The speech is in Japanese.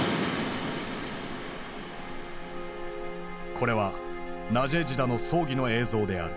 これはナジェージダの葬儀の映像である。